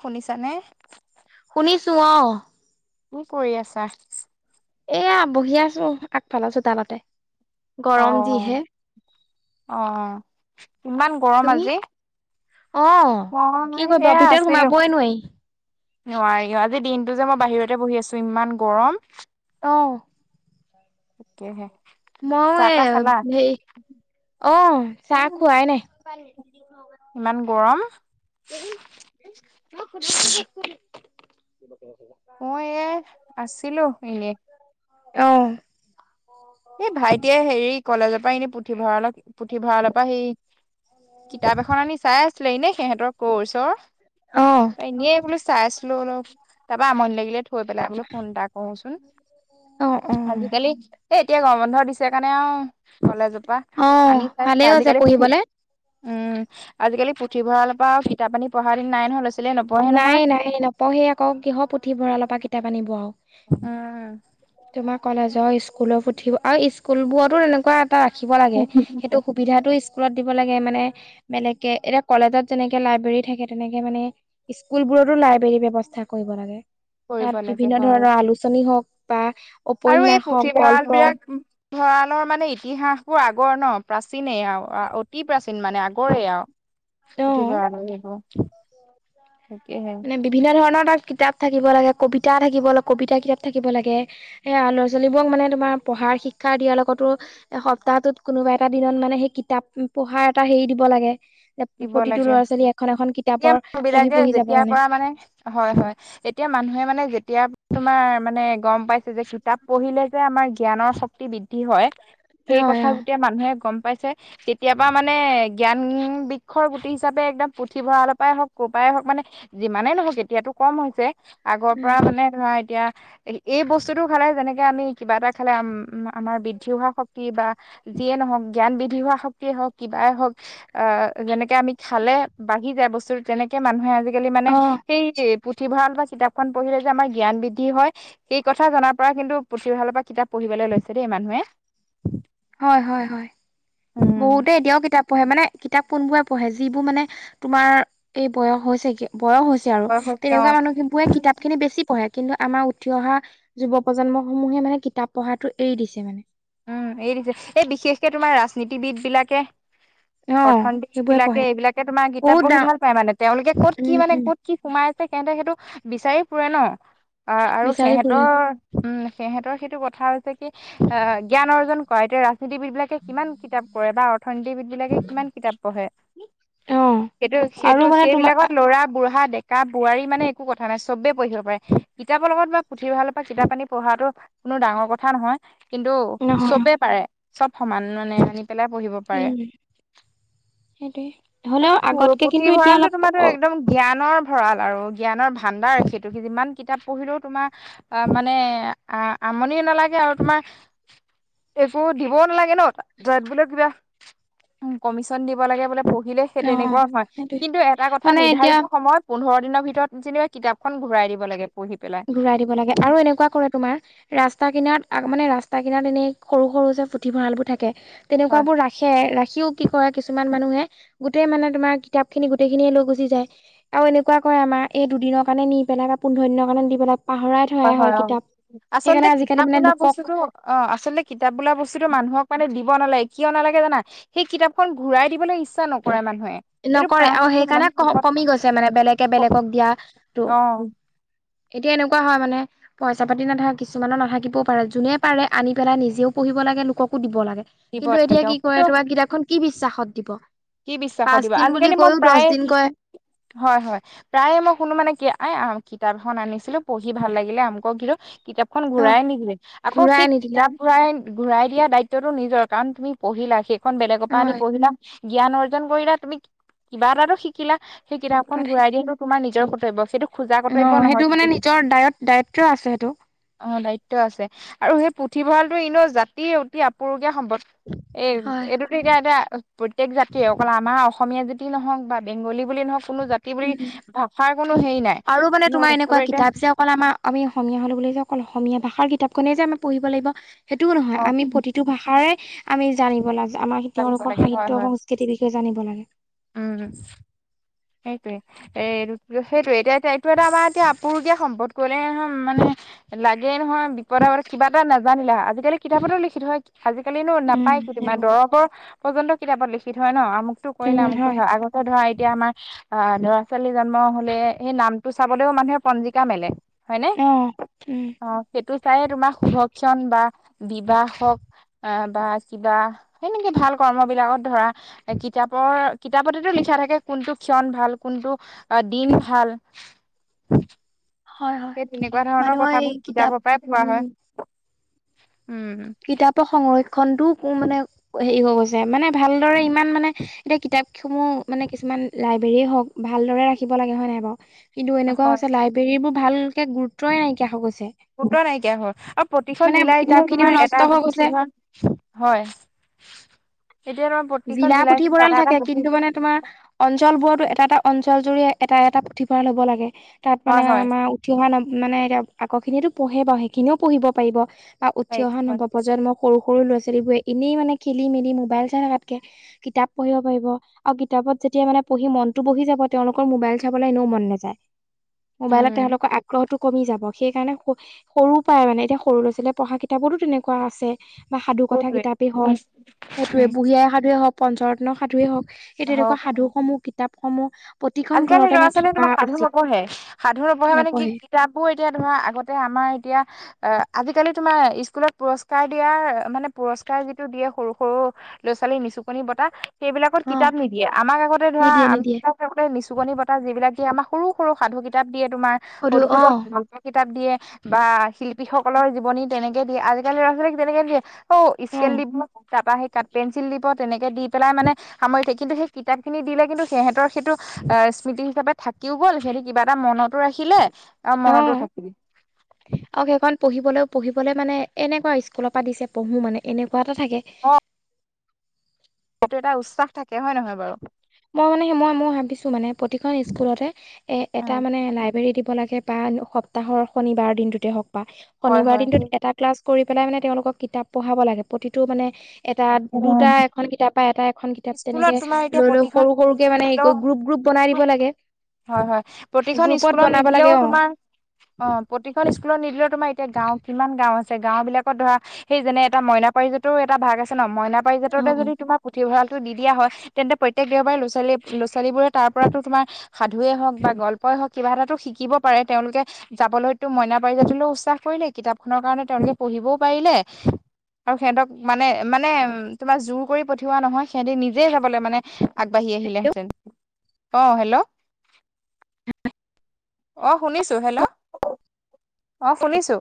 শুনিছা নে। শুনিছো অ। কি কৰি আছা? এয়া বহি আছো আগফালে আছো তালতে। অ, আহ কিমান গৰম তুমি আজি। অ ম ম কি কৰিবা এয়া ভিতৰত আছিলো। সোমাবই নোৱাৰি নোৱাৰি আজি দিনটো যে মই বাহিৰতে বহি আছো ইমান গৰম। আহ। থাকে হে। মই এ হে, অ চাহ খুৱাই নাই। ইমান গৰম দে ম। মই এ আছিলো এনে। আহ। এই ভাইটিয়ে হেৰি কলেজৰ পৰা এনেই পুথিভঁৰাল। অপ পুথিভঁৰালৰ পৰা সেই, কিতাপ এখন আনি চাই আছিলে নে সিহঁতৰ কৰ্চ। অ এনে এই বো চাই আছো। বোলো অলপ তাৰপৰা আমনি লাগিলে থৈ পেলাই বো ফোন এটা কৰচোন। অ অ আজিকালি এ এতিয়া গৰম বন্ধ দিছে কাৰণে আৰু। খলাজোপা অ ত ভালেই হৈছে আজিক। পঢ়িবলে উম আজিকালি পুথিভঁৰালৰ পৰা ফিতাপানী পঢ়া দিন নাই নহয়। ছোৱালীয়ে নপঢ়ে নাই নহয় নাই নপঢ়ে আকৌ কিহ পুথি ভঁৰালৰ পৰা কিতাপ আনিব আৰু। হম। তোমাৰ কলেজৰ স্কুলৰ পুথিব আৰু স্কুলবোৰতো তেনেকুৱা এটা ৰাখিব লাগে সেইটো সুবিধাতো। স্কুলত দিব লাগে মানে বেলেগ কে এতিয়া কলেজত যেনেকে লাইব্ৰেৰী থাকে তেনেকে মানে। স্কুলবোৰতো লাইব্ৰেৰীৰ ব্যৱস্থা কৰিব লাগে কৰিব তাত লাগে বিভিন্ন হয় ধৰণৰ আলোচনী হওঁক। আৰু এই পুথিভাল বিৰাক। ভঁৰালৰ মানে ইতিহাসবোৰ আগৰ ন প্ৰাচীনে আৰু অতি প্ৰাচীন মানে আগৰে আৰু। কঠেই অ ব আৰু। মানে বিভিন্ন ধৰণৰ তটা কিতাপ থাকিব লাগে কবিতা। কিতা থাকিব কবিতা কিতাপ থাকিব লাগে, সয়া ল'ৰা ছোৱালীবোৰক মানে তোমাৰ পঢ়াৰ শিক্ষা দিয়াৰ লগতো। এ সপ্তাহটোত কোনোবা এটা দিনত মানে সেই কিতাপ পঢ়াৰ এটা হেৰি দিব লাগে। দিব প্ৰতিটো লাগে ল'ৰা ছোৱালী এখন এখন কিতাপৰ পঢ়ি পঢ়ি যাব। এতিয়াৰ পৰা মানে হয় হয় এতিয়া মানুহে মানে। এতিয়া তোমাৰ মানে গম পাইছে যে কিতাপ পঢ়িলে যে আমাৰ জ্ঞানৰ শক্তি বৃদ্ধি হয়। সেই হয় কথা অ যেতিয়া মানুহে গম পাইছে তেতিয়াবা মানে জ্ঞান বি। শৰ গুটি হিচাপে একদম পুথিভঁৰালৰ পৰাই হওক ক'ৰ পৰাই হওক মানে যিমানেই নহওক এতিয়াতো কম হৈছে। আগৰ উম পৰা মানে ধৰা। এতিয়া এই বস্তুটো খালে যেনেকে আমি কিবা এটা খালে আমাৰ বৃদ্ধি হোৱা শক্তি বা। যিয়ে নহওক জ্ঞান বৃধি হোৱা শক্তিয়ে হওক কিবাই হওক আহ। যেনেকে আমি খালে বাঢ়ি যায় বস্তু তেনেকে মানুহে আজিকালি মানে অ সেই পুথিভঁৰালৰ পৰা কিতাপখন পঢ়িলে যে আমাৰ জ্ঞান বৃদ্ধি হয়। সেই কথা জনাৰ পৰা কিন্তুথিভঁৰালৰ পৰা কিতাপ পঢ়ি পঢ়িবলৈ লৈছে দেই মানুহে হয় হয় হয় উম বহুতে এতিয়াও কিতাপ পঢ়ে মানে কিতাপ কোনবোৰে পঢ়ে যিবোৰ মানে তোমাৰ এই বয়স হৈছে কি বয়স হৈছে আৰু বয়স হৈছে অ তেনেকুৱা মানুহ বোৰে কিতাপ খিনি বেছি পঢ়ে। কিন্তু আমাৰ উঠি অহা যুৱ প্ৰজন্মসমূহে মানে কিতাপ পঢ়াটো এৰি দিছে মানে। উম এই দিছে এই বিশেষকে তোমাৰ ৰাজনীতিবিদ বিলাকে অ অৰ্থনীতিক সেইবোৰে বিলাকে পঢ়ে এইবিলাকে তোমাৰ কিতাপ বহুত দা পঢ়ি ভাল পায় মানে তেওঁলোকে ক'ত কি উম মানে উম কত কি সোমাই আছে। সেহতে সেইটো বিচাৰি ফুৰে ন আৰু বিচাৰি ফুৰে সিহঁতৰ উম সিহঁতৰ সেইটো কথা জ্ঞান অৰ্জন কৰা এতিয়া ৰাজনীতিবিদ বিলাকে কিমান কিতাপ পঢ়ে বা সণ্ডীবিধ বিলাকে কিমান কিতাপ পঢ়ে। অ সেইটো আৰু সেইটো মানে তোমাৰ সেইবিলাকত ল'ৰা বুঢ়া ডেকা বোৱাৰী মানে একো কথা নাই চবে পঢ়িব পাৰে। কিতাপৰ লগত বা পুথিভঁৰালৰ পৰা কিতাপ আনি পঢ়াতো কোনো ডাঙৰ কথা নহয় কিন্তু নহয় চবেই পাৰে চব। সমান মানে আনি পেলাই পঢ়িব পাৰে। উম সেইটোৱে হ'লেও আৰু আগতকে কিন্তু এতিয়া পুথিভঁৰালটো অলপ তোমাৰো অ একদম জ্ঞানৰ ভৰাল আৰু জ্ঞানৰ ভাণ্ডাৰ সেইটো যিমান কিতাপ পঢ়িলেও তোমাৰ মানে আমনিও নালাগে আৰু তোমাৰ একো দিবও নালাগে ন যত বোলে কিবা উম কমিশন দিব লাগে বোলে ব নিলে সেই অ তেনেকুৱা নহয় সেইটোৱে কিন্তু এটা কথা মানে এতিয়া নিৰ্ধাৰিত সময়ত পোন্ধৰ দিনৰ ভিতৰত যেনিবা কিতাপখন ঘূৰাই দিব লাগে পঢ়ি পেলাই ঘুৰাই দিব লাগে আৰু এনেকুৱা কৰে তোমাৰ ৰাস্ত ৰাস্তা কিনাৰত মানে ৰাস্তা কিনাৰ এনে সৰু সৰু যে পুথিভঁৰাল বোৰ থাকে তেনেকুৱা হয় বোৰ ৰাখে। সিও কি কৰে কিছুমান মানুহে গোটেই মানে তোমাৰ কিতাপ খিনি গোটেই খিনিয়ে লৈ গুচি যায় আৰু এনেকুৱা ক আমাৰ এই দুদিন কাৰণে নি পেলাই বা পোন্ধৰ দিনৰ কাৰণে দি পেলাই পাহৰাই থোৱা হয় হয় অ কিতাপ সেইকাৰণে আচলতে আজিকালি কিতাপ মানে বোলা লোকক বস্তুটো অ আচলতে কিতাপ বোলা বস্তুটো মানুহক দিব নালাগে কিয় নালাগে জানা সেই কিতাপখন ঘূৰাই দিবলৈ ইচ্ছা নকৰে মানে। নকৰে আৰু সেইকাৰণে ক কমি গৈছে মানে বেলেগে বেলেগক দিয়াটো। অ এতিয়া এনেকুৱা হয় মানে পইচা পাতি নাথাকে। কিছুমানৰ নাথাকিবও পাৰে যোনে পাৰে আনি পেলাই নিজেও পই দিব লাগে লোককো দিব লাগে। দিব কিন্তু লাগে এতিয়া কি কিন্তু কৰে তোমাৰ কিতাপখন কি বিশ্বাসত দিব। কি বিশ্বাসত পাঁচ দিব দিন বুলি আজিকালি মই কৈও দহ প্ৰায় দিন কয় হয় হয় প্ৰায়ে মই কোনো মানে কি কিতাপ এখন আনিছিলো পঢ়ি ভাল লাগিলে অমুকক কিন্তু কিতাপখন অ ঘূৰাই নিদিলে আকৌ ঘূৰাই সেই নিদিলে কিতাপ ঘূৰাই ঘূৰাই দিয়া দায়িত্বটো নিজৰ। কাৰণ তুমি পঢ়িলা সেইখন বেলেগৰ অ পৰা আনি পঢ়িলা। জ্ঞান অৰ্জন কৰিলা তুমি কিবা এটা শিকিলা। সেই কিতাপখন কিবা ঘূৰাই এটা দিয়া টো তোমাৰ নিজৰ প্ৰতি সেইটো খোজা অ কৰ্তব্য নহয় সেইটো মানে সেই নিজৰ দায়ত দায়িত্ব আছে সেইটো অ দিত আছে আৰু সেই পুথিভঁৰালটো ইনেও জাতি অতি আপুৰু সম্পদ এই হয় এইটোতো এতিয়া এতিয়া প্ৰত্যেক জাতিয়ে অকল আমাৰ অসমীয়া জাতি নহওক বা বেংগলী বুলি নহওক কোনো জাতি বুলি উ ভাষাৰ কোনো হেৰি নাই আৰু মানে কিন্তু তোমাৰ এনেকুৱা চবে এতিয়া কিতাপ যে অকল আমাৰ আমি অসমীয়া হলো বুলি অকল অসমীয়া ভাষা ভাষা কিতাপখনে যে আমি পঢ়িব লাগিব সেইটোও নহয়। অ আমি প্ৰতিটো ভাষাৰে আমি জানিব লাগিব। আমাৰ জানিব তেওঁলোকৰ লাগে হয় সাহিত্যয় হয় সংস্কৃতিৰ বিষয়ে জানিব লাগে। সেইটোয়ে এ সেইটোয়ে এতিয়া এয়া এইটো এটা আমাৰ এতিয়া আপৰু দিয়া সম্পদ কলেহ মানে লাগে নহয় বিপদ আপদ কিবা এটা নাজানিলে আজিকালি কিতাপতেও লিখি থয়। আজিকালিনো উম নাপায় মে সেইবোৰ দৰপৰ প্ৰজন্ত কিতাপত লিখি থয় ন আমু উম, কৰিলামো হয় আগতে ধৰা এতিয়া আমাৰ। আহ লৰা ছোৱালী জন্ম হলে সেই নামটো চাবলৈও মানুহে পঞ্জিকা মেলে। হয়নে অ, উম। অ সেইটো চাইে তোমাৰ সুভক্ষণ বা বিবাহ হওক। অ বা কিবা সনেকি ভাল কৰ্ম বিলাকত ধৰা কিতাপৰ কিতাপতেতো লি শিক্ষা থাকে কোনটো ক্ষণ ভাল কোনটো দিন ভাল। হয়, হয় সেই তেনেকুৱা ধৰণৰ মানুহৰ এই কথাবোৰ কিতাপ কিতাবৰ পৰাই পোৱা উম, হয়। উম কিতাপৰ সংৰক্ষণ। খনতো মানে হেৰি হৈ গৈছে মানে ভালদৰে ইমান মানে এতিয়া কিতাপ খহ মানে কিছুমান। লাইব্ৰেৰ হওক ভালদৰে ৰাখিব লাগে হয় নাই বাৰু কিন্তু এনেকুৱা হয় হৈছে লাইব্ৰেৰীবোৰ ভালকে গুৰুত্বই নাইকিয়া হৈ গৈছে। সুত নাইকিয়া হ আৰু প্ৰতিখন মানে জিলাই কিতাপ যেহ খিনিও তোমাৰ নষ্ট এটা হৈ পুঠ গৈছে। হয় [unintelligible] তোমাৰ প্ৰতিখন জিলা জিলাই জিলাই পুথিভঁৰাল এটা এটা থাকে পুথি কিন্তু মানে তোমাৰ অঞ্চল বোৰতো এটা এটা অঞ্চল ৰি এটা এটা পুথিভঁৰাল'ব লাগে তাত হয় মানে হয় আমাৰ উঠি অহা ন। মানে এতি আগৰ খিনিতো পঢ়ে বাাৰু সেইখিনিও পঢ়িব পাৰিব বা উঠি অহা নভ প্ৰজন্ম সৰু সৰু ল'ৰা ছোৱালীবোৰে এনেই মানে খেলি মেলি মোবাইল চাই থকাতকে কিতাপ পঢ়িব পাৰিব আৰু কিতাপত যেতিয়া মানে পঢ়ি মনতটো বহি যাব তেওঁলোকৰ মোবাইল চাবলৈ এনেও মন নাযায়। মোবাইলত উম তেওঁলোকৰ আগ্ৰহতো। কমি যাব সেইকাৰণে সৰু পৰাই মানে এতিয়া সৰু ল'ৰা ছোৱালীয়ে পঢ়া কিতাপতো তেনেকুৱা আছে। বা সাধু কথা সেইটোৱে কিতাপেই হওক সেইটোৱে বুঢ়ী আ সাধুৱে হওক। পঞ্চৰত্ন সাধুৱেই হওঁক এইেই তেনেকুৱা সাধু হওক সমূহ কিতাপ সমূহ। আজিকালি ল'ৰা ছোৱালীয়ে তোমাক সাধু নপঢ়ে সাধু নপঢ়ে মানে কি কিতাপো এতিয়া ধোৰা আগতে আমাৰ। এতিয়া আহঁ। আজিকালি তোমাৰ স্কুলত পুৰস্কাৰ দিয়াৰ মানে পুৰস্কাৰ যিটো দিয়ে সৰু সৰু ল' ছোৱালী নিচু। বতাহ সেইবিলাকত অ কিতাপ নিদিয়ে আমাক আগতে ধৰা নিদিয়ে নিদিয়ে আমাক আগতে নিচুকনি বতা। বিলাক যে আমাৰ সৰু সৰু সাধু কিতাপ দিয়ে তোমাৰ সধু সৰু হ অ কিতাপ দিয়ে বা শিল্পীসকলৰ জীৱনী তেনেকে দিয়ে আজিকালি ল'ৰা ছোৱালীক তেনেকে দিয়ে। হ অ ইস্কেল দি ম খু চাপে। কাট পেঞ্চিল দিব তেনেকৈ দি পেলাই মানে সামৰি থাকে কিন্তু সেই কিতাপখিনিলে কিন্তু সিহঁতৰ সেইটো। অ স্মৃতি হিচাপে থাকিও গ'ল সিহঁতি কিবা এটা মনতো ৰাখিলে। আ অ মনত থাকিবি। পঢ়িবলৈও পঢ়িবলৈ মানে এনেকুৱা স্কুলৰ পৰা দিছে পঢ়োঁ মানে এনেকা। কোৱা এটা থাকে। টো এটা উৎসাহ থাকে হয় নহয় বাৰু মই মানে মই ম ভাবিছো মানে প্ৰতিখন স্কুলতে এ এটা উম মানে লাইব্ৰৰী দিব লাগে। সপ্তাহৰ শনিবাৰৰ দিনটোতে হওঁক পা হয় শনিবাৰৰ হয় দিনটোত এটা ক্লাছ। কৰি পেলাই মানে তেওঁলোকক কিতাপ পঢ়াব লাগে প্ৰতিটো মানে এটা দুটা এখন কিতাপ বা এটা। খন কিতাপ স্কুলত তেনেকে তোমাৰ এতিয়া লৈ লৈ প্ৰতিখন সৰু স্কুলত সৰুকে মানে হ নিদিলেও গ্ৰুপ গ্ৰুপ বনাই দিব লাগে। হয় হয় প্ৰতিখন গ্ৰুপত স্কুলত বনাব লাগে নিদিলেও অ তোমাৰ অ প্ৰতিখন স্কল নিদিলেও তোমাৰ এতিয়া গাঁও কিমান গাঁও আছে গাঁও বিলাকত ধৰা সেই যেনে এটা মইনা পাৰজাতো। এটা ভাগ আছে ন মইনা অ পাৰিজাতৰতে যদি তোমাক পুথিভঁৰালটো দি দিয়া হয় তেন্তেত্যেক দেওবাৰে লৰা ছোৱালী। ছোৱালীবোৰে তাৰ পৰাতো তোমাৰ সাধুৱে হওক বা গল্পই হওক কিবা এটাো শিকিব পাৰে তেওঁলোকে যাবলৈ। টো মইনা পাৰিজাতলৈও উচসাহ কৰিলে কিতাপ খনৰ কাৰণে তেওঁলোকে পঢ়িবও পাৰিলে আৰু সিহঁতক মানে মানে তোমাৰ জোৰ কৰি পঠিওৱা নহয় সিহতি নিজে যাবলৈ মানে আগবাঢ়ি আহিলেহেঁতেন। অ হেল্ল' [unintelligible] অঁ শুনিছো হেল্ল', অঁ শুনিছো।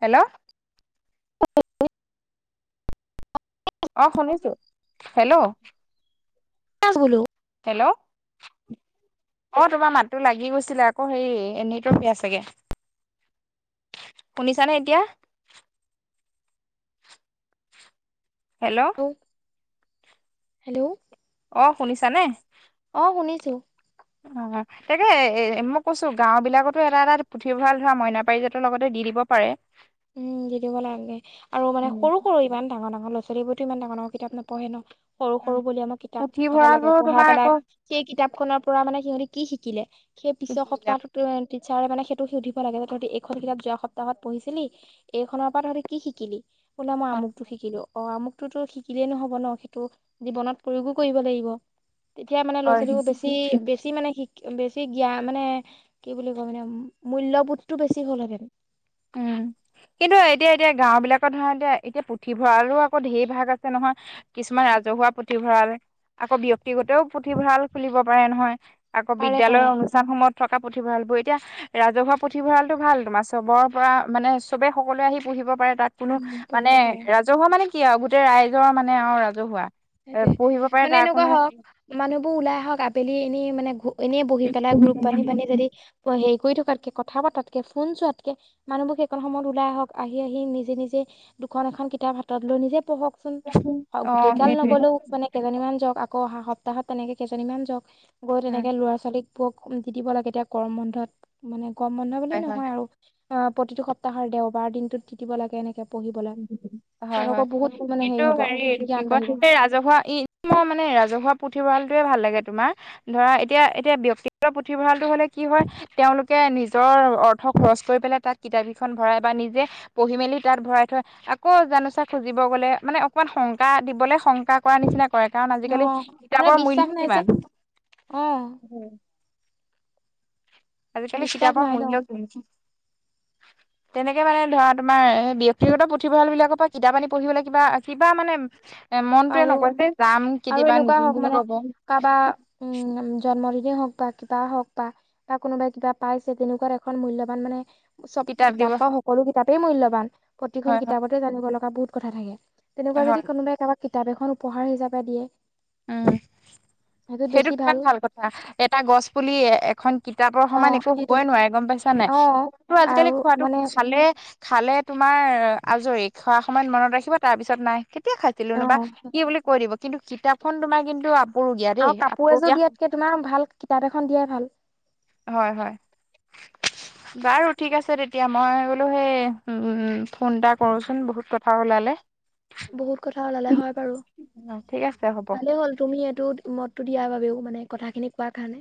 হেল্ল'। অ শুনিছো, হেল্ল'। ক বোলো। হেল্ল'। অ তোমাৰ মাতটো লাগি গৈছিলে আকৌ হেৰি এ নেটৱৰ্ক বেয়া চাগে শুনিছানে এতিয়া? হেল্ল' হেলেও অ শুনিছা নে? [unintelligible] অ তাকে এ মই কৈছো গাঁও বিলাকতো এটা এটা পুথিভঁৰাল ধৰা মইনা পাৰিজাতৰ লগতে দি দিব পাৰে। উম দি দিব লাগে আৰু মানে উম সৰু সৰু ইমান ডাঙৰ ডাঙৰ ল'ৰা ছোৱালীবোৰেটো ইমান ডাঙৰ কিতাপ নপঢ়ে ন'। সৰু সৰু বুলি আমাক কিতাপ পঢ়াব লাগে। পুথিভঁৰালবোৰ পঢ়াই তোমাৰ পেলাই আকৌ সেই কিতাপ খনৰ পৰা মানে সিহতি কি শিকিলে। সেই পিছৰ সপ্তাহটোতো টিট্চাৰে মানে সেইটো সধিব লাগে। তহঁতি এইখকিতাপ যোৱা সপ্তাহত পঢ়িছিলি এইখনৰ পৰা তহঁতে কি শিকিলি? বোলে মই আমুকটো শিকিলো। অ আমুক টোতো শিকিলেই নহব ন সেইটো জীৱনত প্ৰয়োগো কৰিব লাগিব। তেতিয়া মানে ল'ৰা হয় ছোৱালীবোৰ বেছি বেছি মানে শিক বেছি জ্ঞান মানে কি বুলি কয় মানে মূল্যবোধ টো বেছি হ'লহেতেন। উম কিন্তু এতিয়া এতিয়া গাঁও বিলাকত ধৰা এতিয়া এতিয়া পুথিভঁৰালো আকৌ ঢেৰ ভাগ আছে নহয়। কিছুমান ৰাজহুৱা পুথিভঁৰাল আকৌ ব্যক্তিগতও পুথিভঁৰাল খুলিব পাৰে নহয়। আকৌ পাৰে পাৰে বিদ্যয়ালয়ৰ অনুষ্ঠানসমূহত থকা পুথিভঁৰালবোৰ, এতিয়া ৰাজহুৱা পুথিভঁৰালটো ভাল। তোমাৰ চবৰ পৰা মানে চবে সকলোৱে আহি পঢ়িব পাৰে। তাত কোনো উম মানে পঢ়িব পাৰে ৰাজহুৱা মানে কি আৰু গোটেই ৰাইজৰ মানে অ ৰাজহুৱা। এ সেইটোয়ে, পঢ়িব পাৰে মানে তাৰ এনেকুৱা কোনো হওক মানুহবোৰ ওলাই আহক আবেলি এনে মানে ঘু এনেই বহি পেলাই গ্ৰুপ বান্ধী বান্ধী যদি হেৰি কৰি থ তাতকে কথা পাতাতকে, ফোন চোৱাতকে মানুহবোৰ সেইকন সময়ত ওলাই আহক আহি আহি নিজে নিজে দুখন এখন কিতাপ হাতত লৈ নিজে পঢ়কচোন। অ গোটেই গাল সেইটোৱে নগলেও মানে কেইজনীমান যাওক। আকৌ অহা সপ্তাহত তেনেকে কেইজনীমান যাওক। গৈ হয় তেনেকে ল'ৰা ছোৱালীক বোৰক দি দিব লাগে। এতিয়া গৰম বন্ধত মানে গম বন্ধ বুলিয়ে হয় নহয় আৰু অ প্ৰতিটো সপ্তাহৰ দেওবাৰ দিনটোত দি দিব লাগে এনেকে। পঢ়িবলৈ হয় হয়। তেওঁলোকৰ বহুত মানে কিন্তু হ'ব হেৰি কি জ্ঞান কয় বাঢ়িব ৰাজহুৱা ই মই মানে ৰাজহুৱা পুথিভঁৰালটোৱে ভাল লাগে তোমাৰ ধৰা এতিয়া এতিয়া ব্যক্তি পুথিভঁৰালটো হ'লে কি হয় তেওঁলোকে নিজৰ অৰ্থ খৰচ কৰি পেলাই তাত কিতাপেইখন ভৰাই বা নিজে পঢ়ি আকৌ জানোচা খুজিব গ'লে মানে অকমান শংকা দিবলৈ শংকা কৰা নিচিনা কৰে কাৰণ অ আজিকালি মানে কিতাপৰ বিশ্বাস মূল্যও নাই যে কিমান। অ আজিকালি বিশ্বাস কিতাপৰ নাই ন মূল্য তেনেকে মানে ধৰা তোমাৰ ব্যক্তিগত পুথিভঁৰাল বিলাকৰ পৰা কিতাপ আনি পঢ়িবলৈ কিবা কিবা মানে এ মনটোয়ে আৰু নকৈ যে যাম আৰু কেতিয়াবা এনেকুৱা নিদিম হওক বুলি মানে কব। কাৰোবাৰ উম জন্মদিনেই হওক বা কিবা হওক বা কোনোবাই কিবা পাইছে। তেনেকুৱা এখন মূল্যবান মানে চব কিতাপ বা সকলো কিতাপেই মূল্যবান। প্ৰতিখন হয় কিতাপতে জানিব লগা বহুত কথা থাকে। তেনেকুৱা হয় যদি হয় কোনোবাই কাৰোবাক কিতাপ এখন উপহাৰ হিচাপে দিয়ে। উম সেইটোত সেইটো বেছি কিমান ভাল কথা এটা গছ পুলি এখন কিতাপৰ অ সমান একো হবই সেইটোৱে নোৱাৰে গম পাইছা নাই। অ খোৱাতটো আজিকালি আৰু খোৱাটো মানে খালে খালে তোমাৰ আজৰি খোৱাৰ সময়ত মনত ৰাখিব তাৰপিছত নাই। কেতিয়া অ খাইছিলোনো বা কি বুলি কৈ দিব কিন্তু কিতাপখন তোমাৰ কিন্তু আপুৰুগীয়া দেই আৰু কাপোৰ এযোৰ আপুৰুগীয়া দিয়াতকে তোমাৰ ভাল কিতাপ এখন দিয়াই ভাল। হয় হয়। বাৰু ঠিক আছে তেতিয়া মই বোলো সেই উম ফোন এটা কৰোচোন বহুত কথা ওলালে। বহুত কথা ওলালে হয় বাৰু ঠিক আছে হ'ব ভালে হ'ল তুমি এইটো টো দিয়াৰ বাবেও মানে কথাখিনি কোৱাৰ কাৰণে,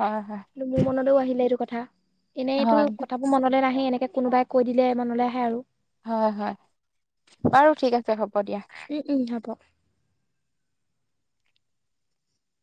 হয় মোৰ মনটোও আহিলে এইটো কথা। এনেইতো হয় কথাবোৰ মনলৈ নাহে এনেকে কোনোবাই কৈ দিলে মনলৈ আহে আৰু হয়-হয়, বাৰু ঠিক আছে হ'ব। দিয়া। উম-উম, হব।